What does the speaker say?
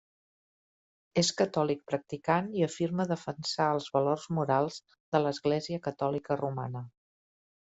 És catòlic practicant i afirma defensar els valors morals de l'Església Catòlica Romana.